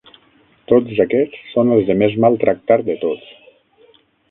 Tots aquests són els de més mal tractar de tots;